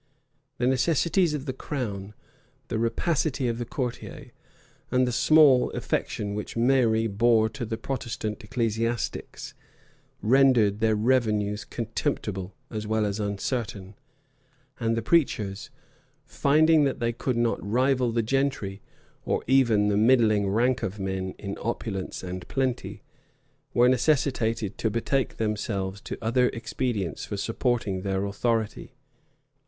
The necessities of the crown, the rapacity of the courtiers, and the small affection which Mary bore to the Protestant ecclesiastics, rendered their revenues contemptible as well as uncertain; and the preachers, finding that they could not rival the gentry, or even the middling rank of men, in opulence and plenty, were necessitated to betake themselves to other expedients for supporting their authority.